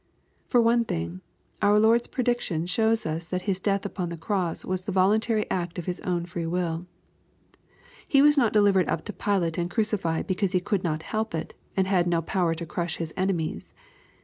For one thing, our Lord's prediction shows us that His death upon the'cross was the voluntary act of His own free will. He was not delivered up to Pilate and cruci fied because He could not help it, and had no powei to crush His enemies.